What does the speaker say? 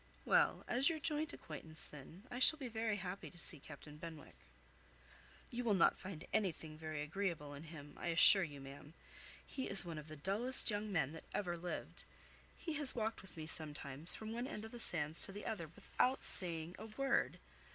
"Well, as your joint acquaintance, then, I shall be very happy to see Captain Benwick." "You will not find anything very agreeable in him, I assure you, ma'am. He is one of the dullest young men that ever lived. He has walked with me, sometimes, from one end of the sands to the other, without saying a word.